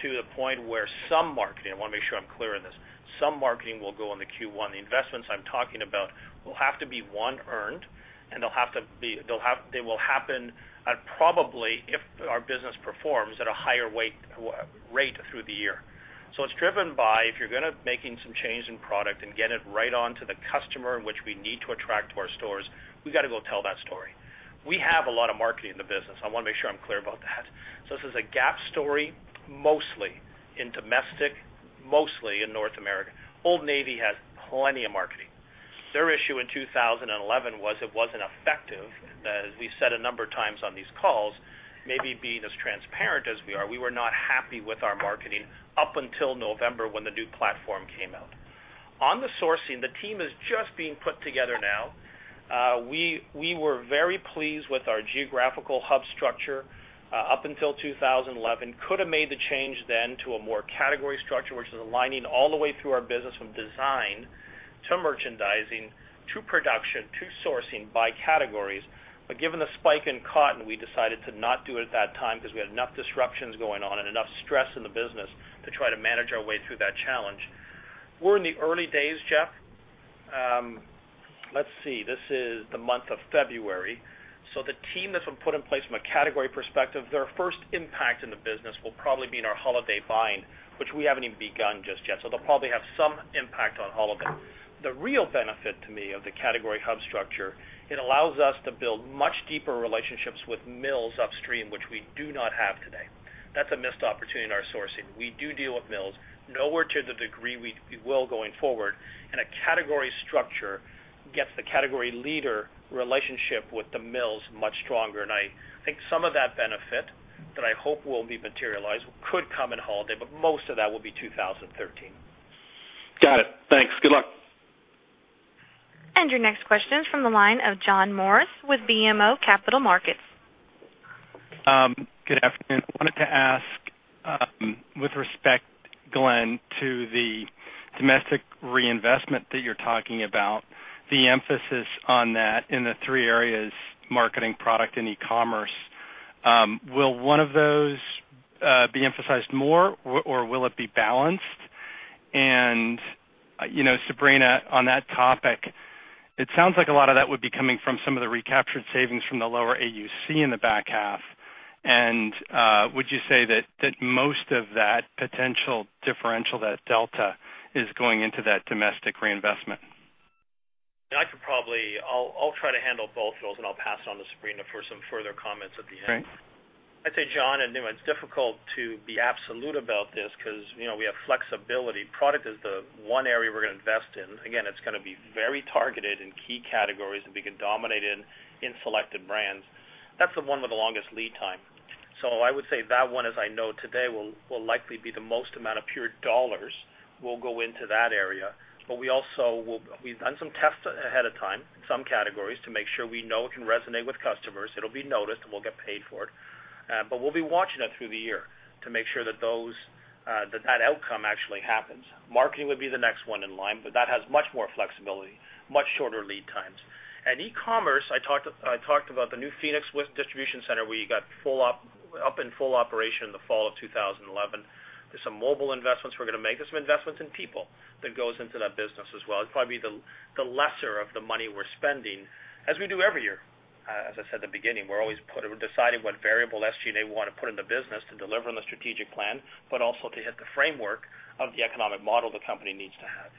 to the point where some marketing, I want to make sure I'm clear on this, some marketing will go in Q1. The investments I'm talking about will have to be one earned, and they'll have to be, they will happen probably if our business performs at a higher rate through the year. It's driven by if you're going to be making some change in product and get it right onto the customer in which we need to attract to our stores, we've got to go tell that story. We have a lot of marketing in the business. I want to make sure I'm clear about that. This is a Gap story mostly in domestic, mostly in North America. Old Navy has plenty of marketing. Their issue in 2011 was it wasn't effective. As we said a number of times on these calls, maybe being as transparent as we are, we were not happy with our marketing up until November when the new platform came out. On the sourcing, the team is just being put together now. We were very pleased with our geographical hub structure up until 2011. Could have made the change then to a more category structure, which is aligning all the way through our business from design to merchandising to production to sourcing by categories. Given the spike in cotton, we decided to not do it at that time because we had enough disruptions going on and enough stress in the business to try to manage our way through that challenge. We're in the early days, Jeff. This is the month of February. The team that's been put in place from a category perspective, their first impact in the business will probably be in our holiday buying, which we haven't even begun just yet. They'll probably have some impact on holiday. The real benefit to me of the category hub structure, it allows us to build much deeper relationships with mills upstream, which we do not have today. That's a missed opportunity in our sourcing. We do deal with mills, nowhere to the degree we will going forward. A category structure gets the category leader relationship with the mills much stronger. I think some of that benefit that I hope will be materialized could come in holiday, but most of that will be 2013. Got it. Thanks. Good luck. Your next question is from the line of John Morris with BMO Capital Markets. Good afternoon. I wanted to ask, with respect, Glenn, to the domestic reinvestment that you're talking about, the emphasis on that in the three areas: marketing, product, and e-commerce. Will one of those be emphasized more, or will it be balanced? Sabrina, on that topic, it sounds like a lot of that would be coming from some of the recaptured savings from the lower average unit costs in the back half. Would you say that most of that potential differential, that delta, is going into that domestic reinvestment? I could probably try to handle both of those, and I'll pass it on to Sabrina for some further comments at the end. Thanks. I'd say, John, it's difficult to be absolute about this because we have flexibility. Product is the one area we're going to invest in. Again, it's going to be very targeted in key categories that we can dominate in in selected brands. That's the one with the longest lead time. I would say that one, as I know today, will likely be the most amount of pure dollars will go into that area. We also, we've done some tests ahead of time, some categories to make sure we know it can resonate with customers. It'll be noticed, and we'll get paid for it. We'll be watching it through the year to make sure that that outcome actually happens. Marketing would be the next one in line, but that has much more flexibility, much shorter lead times. E-commerce, I talked about the new Phoenix Distribution Center where you got full up in full operation in the fall of 2011. There's some mobile investments we're going to make. There's some investments in people that go into that business as well. It'd probably be the lesser of the money we're spending, as we do every year. As I said at the beginning, we're always deciding what variable SG&A they want to put in the business to deliver on the strategic plan, but also to hit the framework of the economic model the company needs to have.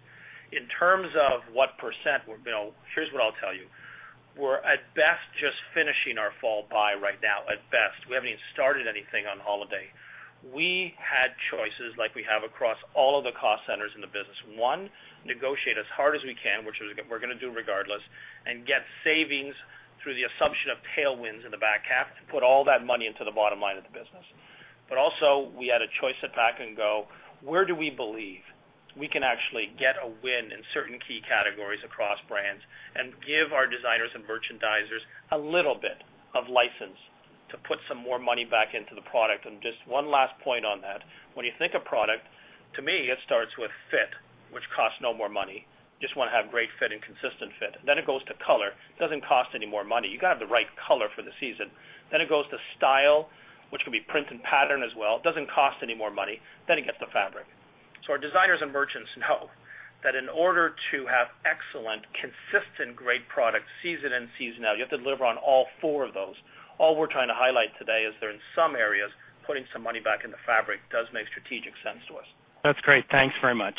In terms of what percent, here's what I'll tell you. We're at best just finishing our fall buy right now, at best. We haven't even started anything on holiday. We had choices like we have across all of the cost centers in the business. One, negotiate as hard as we can, which we're going to do regardless, and get savings through the assumption of tailwinds in the back half to put all that money into the bottom line of the business. We had a choice to back and go, where do we believe we can actually get a win in certain key categories across brands and give our designers and merchandisers a little bit of license to put some more money back into the product. Just one last point on that. When you think of product, to me, it starts with fit, which costs no more money. You just want to have great fit and consistent fit. Then it goes to color. It doesn't cost any more money. You've got to have the right color for the season. Then it goes to style, which could be print and pattern as well. It doesn't cost any more money. Then it gets to fabric. Our designers and merchants know that in order to have excellent, consistent, great products, season in, season out, you have to deliver on all four of those. All we're trying to highlight today is that in some areas, putting some money back in the fabric does make strategic sense to us. That's great. Thanks very much.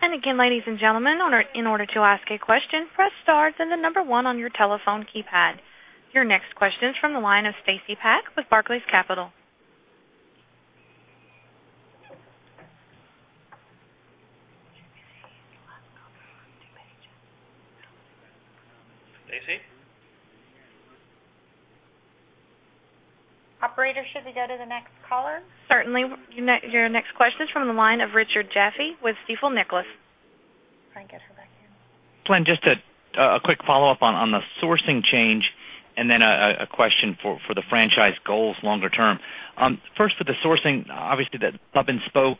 Ladies and gentlemen, in order to ask a question, press star and the number one on your telephone keypad. Your next question is from the line of Stacy Pak with Barclays. Operator, should we go to the next caller? Certainly. Your next question is from the line of Richard Jaffe with Stifel Nicolaus. Glenn, just a quick follow-up on the sourcing change and then a question for the franchise goals longer term. First, for the sourcing, obviously, the hub and spoke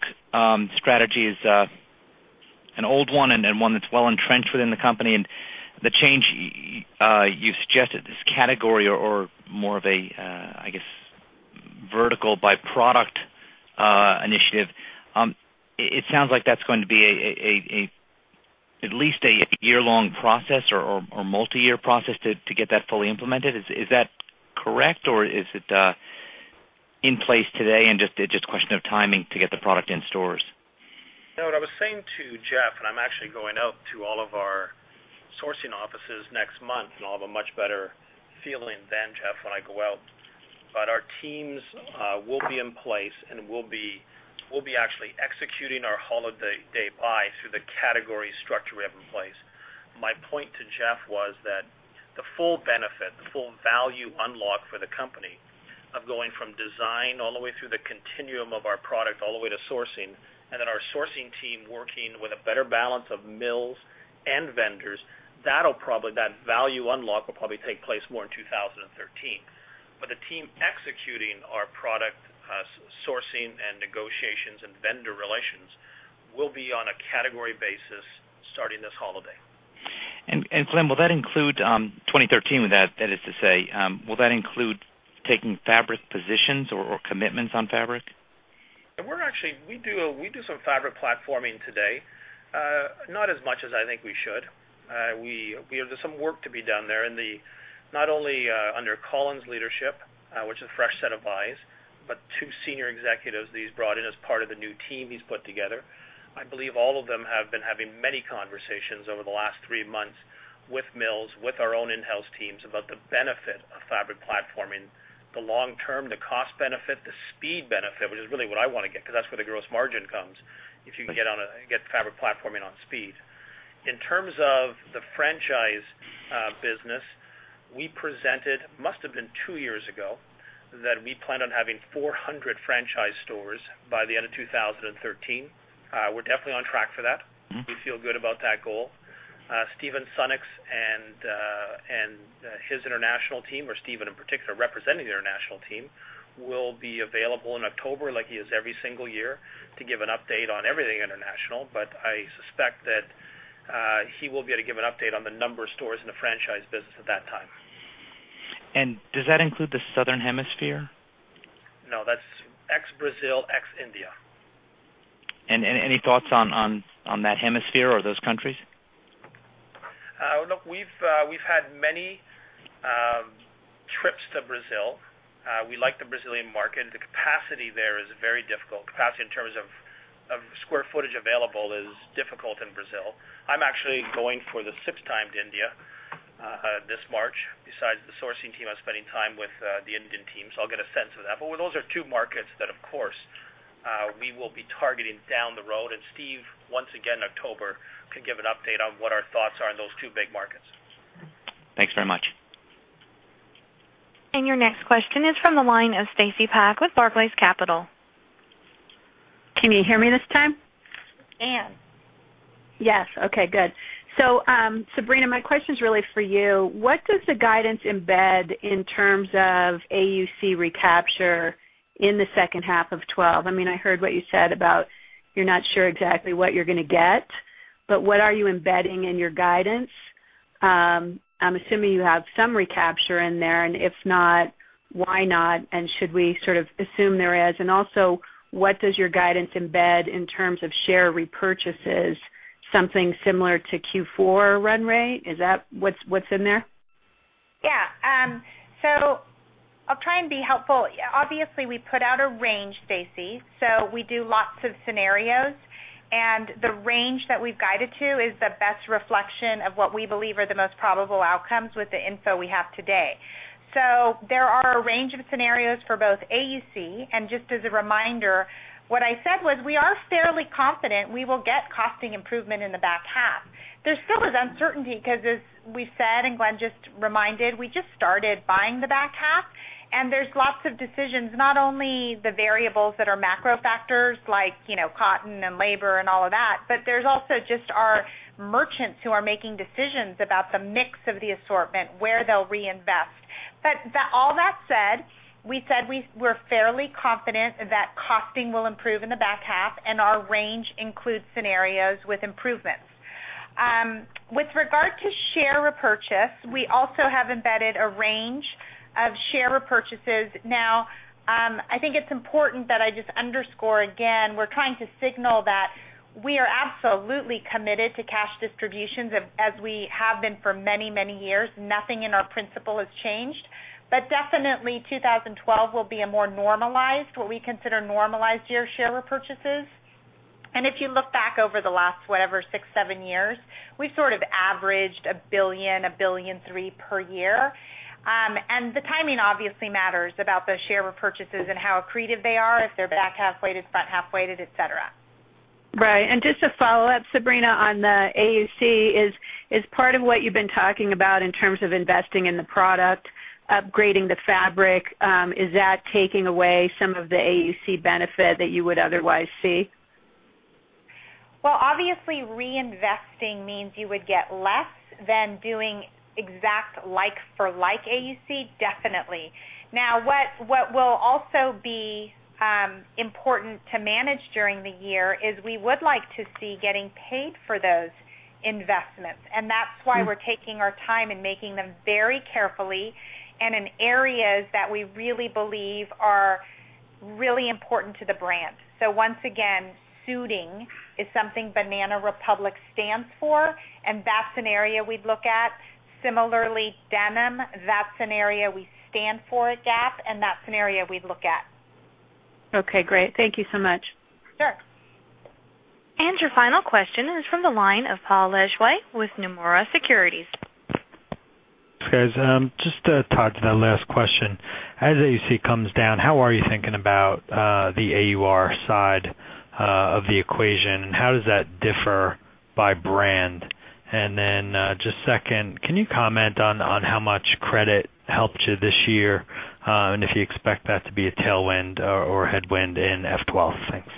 strategy is an old one and one that's well entrenched within the company. The change you've suggested, this category or more of a, I guess, vertical by product initiative, it sounds like that's going to be at least a year-long process or multi-year process to get that fully implemented. Is that correct, or is it in place today and just a question of timing to get the product in stores? No, what I was saying to Jaffe, and I'm actually going out to all of our sourcing offices next month, I'll have a much better feeling then, Jaffe, when I go out. Our teams will be in place and will be actually executing our holiday buy through the category structure we have in place. My point to Jaffe was that the full benefit, the full value unlocked for the company of going from design all the way through the continuum of our product all the way to sourcing, and then our sourcing team working with a better balance of mills and vendors, that value unlock will probably take place more in 2013. The team executing our product sourcing and negotiations and vendor relations will be on a category basis starting this holiday. Glenn, will that include 2013? That is to say, will that include taking fabric positions or commitments on fabric? We're actually, we do some fabric platforming today, not as much as I think we should. There's some work to be done there not only under Colin Funnell's leadership, which is a fresh set of eyes, but two Senior Executives that he's brought in as part of the new team he's put together. I believe all of them have been having many conversations over the last three months with mills, with our own in-house teams about the benefit of fabric platforming, the long term, the cost benefit, the speed benefit, which is really what I want to get because that's where the gross margin comes if you get fabric platforming on speed. In terms of the franchise business, we presented, must have been two years ago, that we planned on having 400 franchise stores by the end of 2013. We're definitely on track for that. We feel good about that goal. Stephen Sunnuck and his international team, or Stephen in particular representing the international team, will be available in October, like he is every single year, to give an update on everything international. I suspect that he will be able to give an update on the number of stores in the franchise business at that time. Does that include the Southern Hemisphere? No, that's ex-Brazil, ex-India. have any thoughts on that hemisphere or those countries? Look, we've had many trips to Brazil. We like the Brazilian market. The capacity there is very difficult. Capacity in terms of square footage available is difficult in Brazil. I'm actually going for the sixth time to India this March. Besides the sourcing team, I'm spending time with the Indian team, so I'll get a sense of that. Those are two markets that, of course, we will be targeting down the road. Steve, once again in October, can give an update on what our thoughts are in those two big markets. Thanks very much. Your next question is from the line of Stacy Pak with Barclays Capital. Can you hear me this time? Yes. Yes. Okay, good. Sabrina, my question is really for you. What does the guidance embed in terms of AUC recapture in the second half of 2012? I mean, I heard what you said about you're not sure exactly what you're going to get, but what are you embedding in your guidance? I'm assuming you have some recapture in there, and if not, why not? Should we sort of assume there is? What does your guidance embed in terms of share repurchases, something similar to Q4 run rate? Is that what's in there? Yeah. I'll try and be helpful. Obviously, we put out a range, Stacy. We do lots of scenarios, and the range that we've guided to is the best reflection of what we believe are the most probable outcomes with the info we have today. There are a range of scenarios for both average unit costs, and just as a reminder, what I said was we are fairly confident we will get costing improvement in the back half. There still is uncertainty because, as we said, and Glenn just reminded, we just started buying the back half, and there are lots of decisions, not only the variables that are macro factors like cotton and labor and all of that, but there are also just our merchants who are making decisions about the mix of the assortment, where they'll reinvest. All that said, we said we're fairly confident that costing will improve in the back half, and our range includes scenarios with improvements. With regard to share repurchase, we also have embedded a range of share repurchases. I think it's important that I just underscore again, we're trying to signal that we are absolutely committed to cash distributions as we have been for many, many years. Nothing in our principle has changed. Definitely, 2012 will be a more normalized, what we consider normalized year of share repurchases. If you look back over the last, whatever, six, seven years, we've sort of averaged $1 billion, $1.3 billion per year. The timing obviously matters about those share repurchases and how accretive they are, if they're back half weighted, front half weighted, etc. Right. Just to follow up, Sabrina, on the AUC, is part of what you've been talking about in terms of investing in the product, upgrading the fabric, is that taking away some of the AUC benefit that you would otherwise see? Reinvesting means you would get less than doing exact like-for-like AUC, definitely. What will also be important to manage during the year is we would like to see getting paid for those investments. That's why we're taking our time and making them very carefully and in areas that we really believe are really important to the brand. Once again, suiting is something Banana Republic stands for, and that's an area we'd look at. Similarly, denim, that's an area we stand for at Gap, and that's an area we'd look at. Okay, great. Thank you so much. Sure. Your final question is from the line of Paul Lejuez with Nomura Securities. Thanks, guys. Just to tie to that last question, as average unit costs come down, how are you thinking about the average unit retail side of the equation, and how does that differ by brand? Can you comment on how much credit helped you this year and if you expect that to be a tailwind or headwind in 2012? Thanks.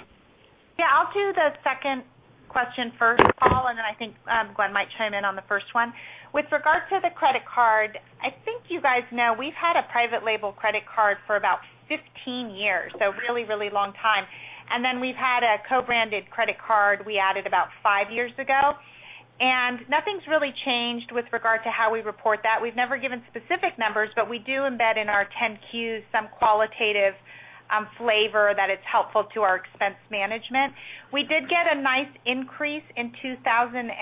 I'll do the second question first, Paul, and then I think Glenn might chime in on the first one. With regard to the credit card, I think you guys know we've had a private label credit card for about 15 years, so a really, really long time. We've had a co-branded credit card we added about five years ago. Nothing's really changed with regard to how we report that. We've never given specific numbers, but we do embed in our 10-Qs some qualitative flavor that it's helpful to our expense management. We did get a nice increase in 2011,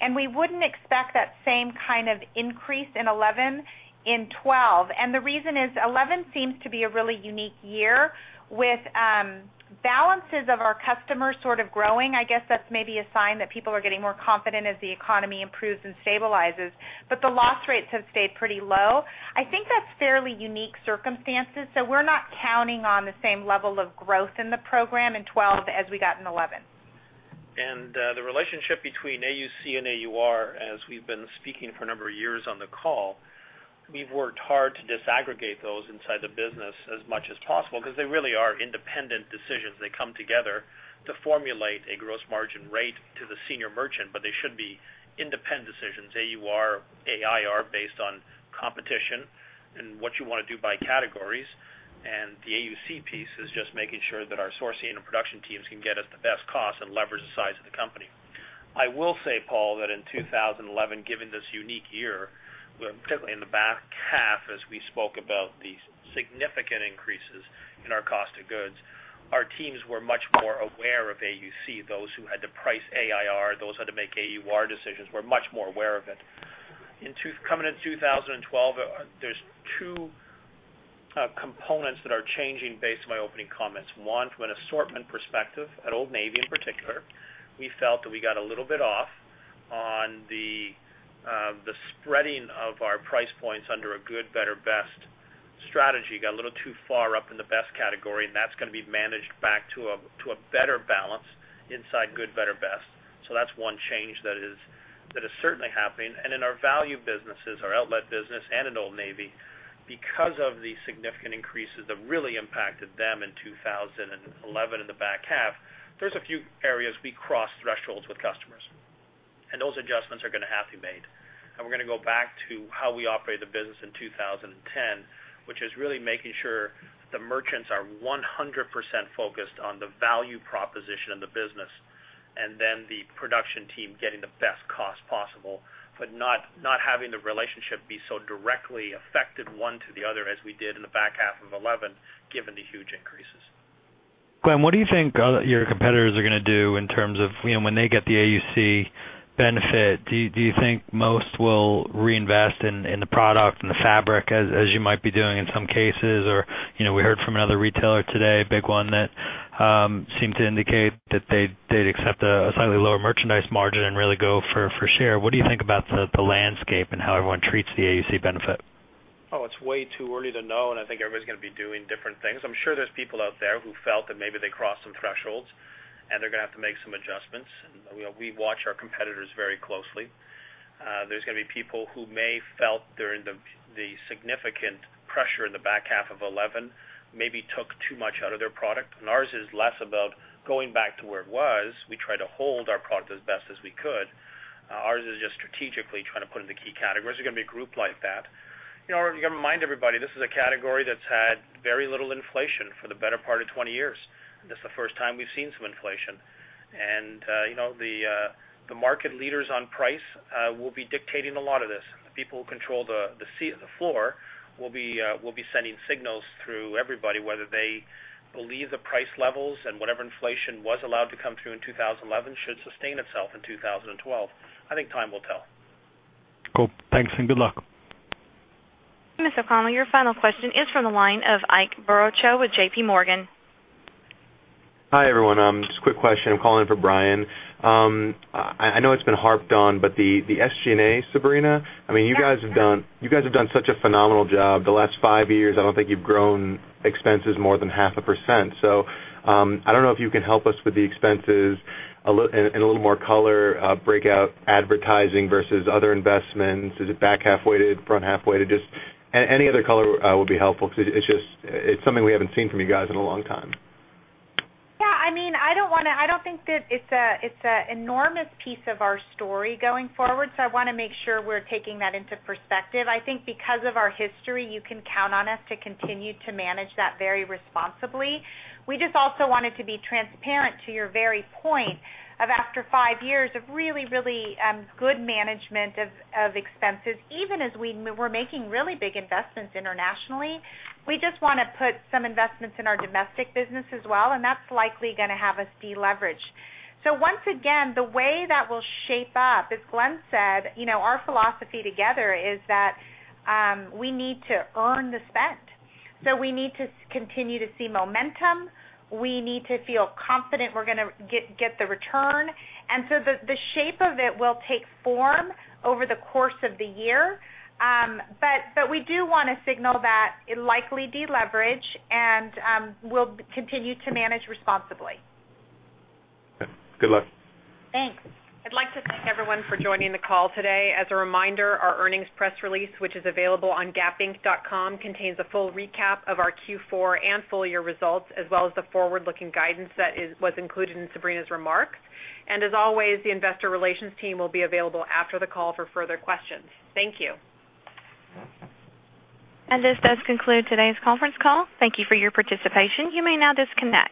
and we wouldn't expect that same kind of increase in 2011 in 2012. The reason is 2011 seems to be a really unique year with balances of our customers sort of growing. I guess that's maybe a sign that people are getting more confident as the economy improves and stabilizes, but the loss rates have stayed pretty low. I think that's fairly unique circumstances. We're not counting on the same level of growth in the program in 2012 as we got in 2011. relationship between AUC and AUR, as we've been speaking for a number of years on the call, we've worked hard to disaggregate those inside the business as much as possible because they really are independent decisions. They come together to formulate a gross margin rate to the Senior Merchant, but they should be independent decisions, AUR, AIR, based on competition and what you want to do by categories. The average unit costs piece is just making sure that our sourcing and production teams can get us the best cost and leverage the size of the company. I will say, Paul, that in 2011, given this unique year, particularly in the back half, as we spoke about these significant increases in our cost of goods, our teams were much more aware of average unit costs. Those who had to price AIR, those who had to make AUR decisions were much more aware of it. Coming into 2012, there are two components that are changing based on my opening comments. One, from an assortment perspective, at Old Navy in particular, we felt that we got a little bit off on the spreading of our price points under a good, better, best strategy. We got a little too far up in the best category, and that's going to be managed back to a better balance inside good, better, best. That is one change that is certainly happening. In our value businesses, our outlet business, and at Old Navy, because of the significant increases that really impacted them in 2011 in the back half, there are a few areas we crossed thresholds with customers. Those adjustments are going to have to be made. We are going to go back to how we operated the business in 2010, which is really making sure the merchants are 100% focused on the value proposition in the business and then the production team getting the best cost possible, but not having the relationship be so directly affected one to the other as we did in the back half of 2011, given the huge increases. Glenn, what do you think your competitors are going to do in terms of when they get the average unit costs benefit? Do you think most will reinvest in the product and the fabric as you might be doing in some cases? We heard from another retailer today, a big one, that seemed to indicate that they'd accept a slightly lower merchandise margin and really go for share. What do you think about the landscape and how everyone treats the average unit costs benefit? Oh, it's way too early to know, and I think everybody's going to be doing different things. I'm sure there's people out there who felt that maybe they crossed some thresholds, and they're going to have to make some adjustments. We watch our competitors very closely. There's going to be people who may have felt they're in the significant pressure in the back half of 2011, maybe took too much out of their product. Ours is less about going back to where it was. We tried to hold our product as best as we could. Ours is just strategically trying to put into key categories. We're going to be grouped like that. You've got to remind everybody, this is a category that's had very little inflation for the better part of 20 years. This is the first time we've seen some inflation. You know the market leaders on price will be dictating a lot of this. The people who control the floor will be sending signals through everybody whether they believe the price levels and whatever inflation was allowed to come through in 2011 should sustain itself in 2012. I think time will tell. Cool. Thanks and good luck. Mr. O'Connell, your final question is from the line of Ike Boruchow with JPMorgan. Hi everyone. Just a quick question. I'm calling in for Brian. I know it's been harped on, but the SG&A, Sabrina, I mean, you guys have done such a phenomenal job. The last five years, I don't think you've grown expenses more than 0.5%. I don't know if you can help us with the expenses in a little more color, breakout advertising versus other investments. Is it back half weighted, front half weighted? Any other color would be helpful because it's just something we haven't seen from you guys in a long time. Yeah, I mean, I don't want to, I don't think that it's an enormous piece of our story going forward. I want to make sure we're taking that into perspective. I think because of our history, you can count on us to continue to manage that very responsibly. We just also wanted to be transparent to your very point of after five years of really, really good management of expenses, even as we were making really big investments internationally, we just want to put some investments in our domestic business as well, and that's likely going to have us deleverage. Once again, the way that will shape up, as Glenn said, you know our philosophy together is that we need to earn the spend. We need to continue to see momentum. We need to feel confident we're going to get the return. The shape of it will take form over the course of the year. We do want to signal that it likely deleverage and we'll continue to manage responsibly. Good luck. Thanks. I'd like to thank everyone for joining the call today. As a reminder, our earnings press release, which is available on gapinc.com, contains a full recap of our Q4 and full-year results, as well as the forward-looking guidance that was included in Sabrina's remarks. The investor relations team will be available after the call for further questions. Thank you. This does conclude today's conference call. Thank you for your participation. You may now disconnect.